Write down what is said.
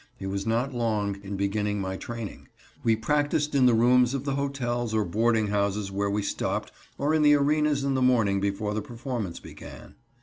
He was not long in beginning my training. We practiced in the rooms of the hotels or boarding houses where we stopped or in the arenas in the morning before the performance began.